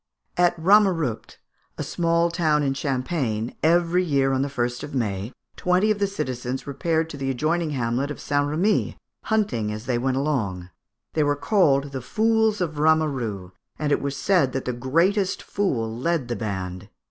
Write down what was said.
At Ramerupt, a small town in Champagne, every year, on the 1st of May, twenty of the citizens repaired to the adjoining hamlet of St. Remy, hunting as they went along. They were called the fools of Rameru, and it was said that the greatest fool led the band.